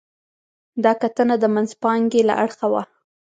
دا کتنه د منځپانګې له اړخه وه.